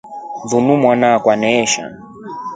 Linu mwanaakwa antaashi.